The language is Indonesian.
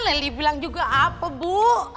leli bilang juga apa bu